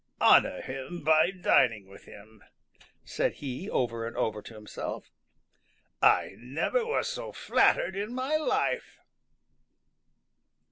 "Honor him by dining with him," said he over and over to himself. "I never was so flattered in my life."